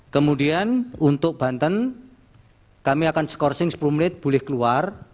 kemudian untuk banten kami akan skorsing sepuluh menit boleh keluar